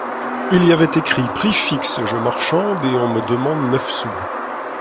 Il y avait écrit : "Prix fixe…" Je marchande… et on me diminue neuf sous !…